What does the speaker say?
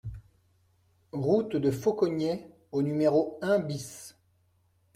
Route de Faucogney au numéro un BIS